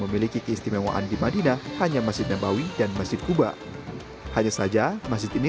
memiliki keistimewaan di madinah hanya masjid nabawi dan masjid kuba hanya saja masjid ini